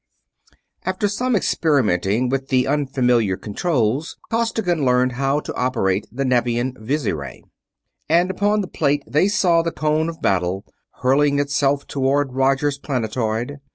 After some experimenting with the unfamiliar controls Costigan learned how to operate the Nevian visiray, and upon the plate they saw the Cone of Battle hurling itself toward Roger's planetoid.